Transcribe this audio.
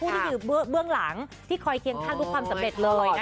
ที่อยู่เบื้องหลังที่คอยเคียงข้างทุกความสำเร็จเลยนะคะ